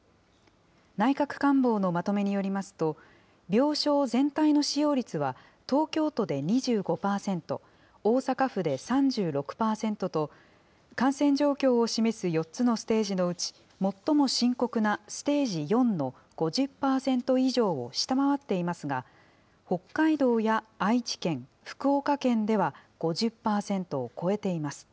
内閣官房のまとめによりますと、病床全体の使用率は、東京都で２５％、大阪府で３６％と、感染状況を示す４つのステージのうち、最も深刻なステージ４の５０％以上を下回っていますが、北海道や愛知県、福岡県では５０％を超えています。